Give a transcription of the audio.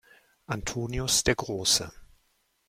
Antonius der Große.